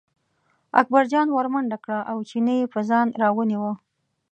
اکبرجان ور منډه کړه او چینی یې په ځان راونیوه.